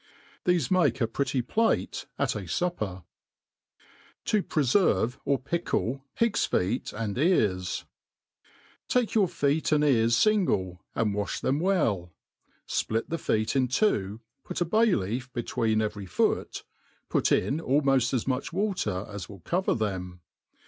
Thefd make a pretty plate at a fuppen To prtferve or pickle Pig*s Feet and Ears, TAKE your feet and ears fingle, and wa(h them well, fplit the feet in twp, put a'bay^leaf between every foot, put in al« moft as much water as will cover them.